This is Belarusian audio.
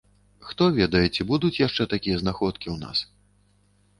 Хто ведае, ці будуць яшчэ такія знаходкі ў нас?